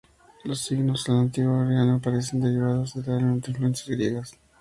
Los signos del antiguo georgiano parecen ser derivados del arameo con influencias griegas.